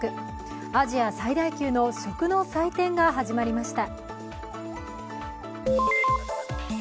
アジア最大級の食の祭典が始まりました。